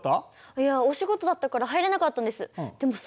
いやお仕事だったから入れなかったんです。